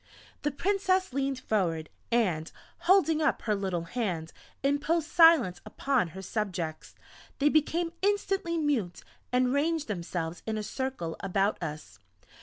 The Princess leaned forward, and, holding up her little hand, imposed silence upon her subjects. They became instantly mute, and ranged themselves in a circle about us.